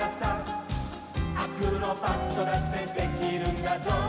「アクロバットだってできるんだぞ」